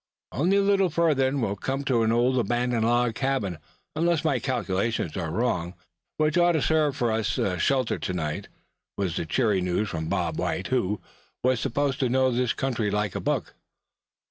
"Only a little further, suh, and we'll come to an old abandoned log cabin, unless my calculations are wrong; which ought to serve us for a shelter to night," was the cheering news from Bob White, who was supposed to know this country like a book.